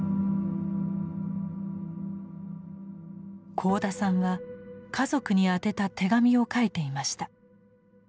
幸田さんは家族に宛てた手紙を書いていました。